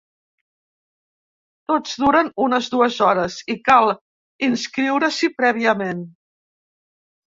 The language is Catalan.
Tots duren unes dues hores i cal inscriure-s’hi prèviament.